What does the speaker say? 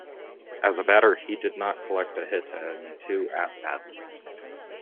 As a batter, he did not collect a hit in two at-bats.